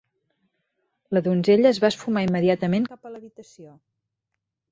La donzella es va esfumar immediatament cap a l'habitació.